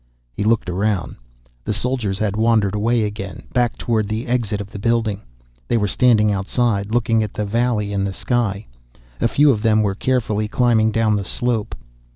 He looked around. The soldiers had wandered away again, back toward the exit of the building. They were standing outside, looking at the valley and the sky. A few of them were carefully climbing down the slope.